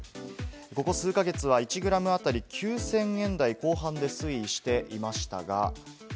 ここ数か月は１グラム当たり９０００円台後半で推移していましたが。